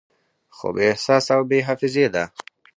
خو بې احساسه او بې حافظې ده